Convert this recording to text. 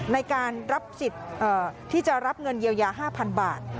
ในการรับสิทธิ์ที่จะรับเงินเยียวยา๕๐๐๐บาท